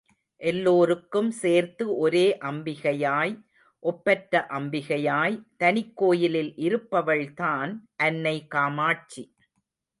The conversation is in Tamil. எல்லோருக்கும் சேர்த்து ஒரே அம்பிகையாய், ஒப்பற்ற அம்பிகையாய், தனிக் கோயிலில் இருப்பவள்தான் அன்னை காமாட்சி.